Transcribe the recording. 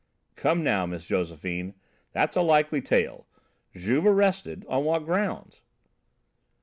"Come now, Miss Josephine, that's a likely tale! Juve arrested? On what grounds?"